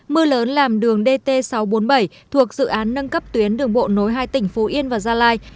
mưa lớn làm đường dt sáu trăm bốn mươi bảy thuộc dự án nâng cấp tuyến đường bộ nối hai tỉnh phú yên và gia lai